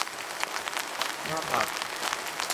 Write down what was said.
หน้าผาก